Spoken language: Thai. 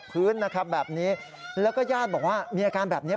เกิดอะไร